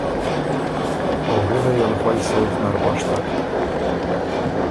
او غِلئ ال خوئ سوچ نر غوشتک۔